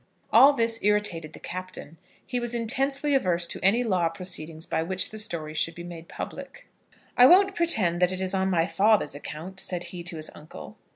All this irritated the Captain. He was intensely averse to any law proceedings by which the story should be made public. "I won't pretend that it is on my father's account," said he to his uncle.